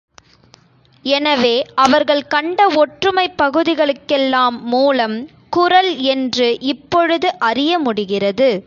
எனவே அவர்கள் கண்ட ஒற்றுமைப் பகுதிகளுக்கெல்லாம் மூலம் குறள் என்று இப்பொழுது அறிய முடிகிறது.